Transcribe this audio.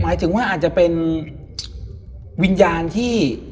หมายถึงว่าอาจจะเป็นวิญญาณที่